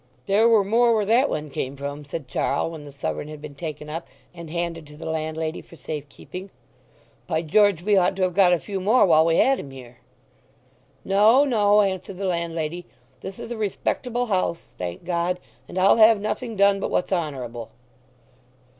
"There were more where that one came from," said Charl when the sovereign had been taken up and handed to the landlady for safe keeping. "By George! we ought to have got a few more while we had him here." "No, no," answered the landlady. "This is a respectable house, thank God! And I'll have nothing done but what's honourable."